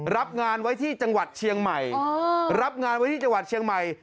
รับงานไว้ที่จังหวัดเชียงใหม่รับงานไว้ที่จังหวัดเชียงใหม่